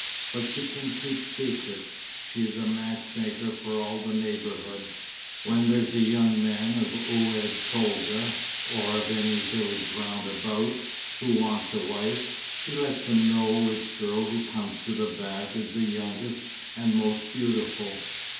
But she can keep secrets. She is a match maker for all the neighbourhood. When there's a young man of Oued Tolga, or of any village round about, who wants a wife, she lets him know which girl who comes to the baths is the youngest and most beautiful.